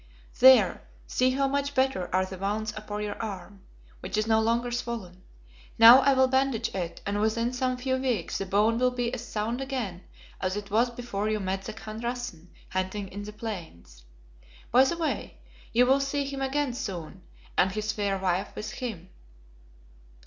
"There, see how much better are the wounds upon your arm, which is no longer swollen. Now I will bandage it, and within some few weeks the bone will be as sound again as it was before you met the Khan Rassen hunting in the Plains. By the way, you will see him again soon, and his fair wife with him."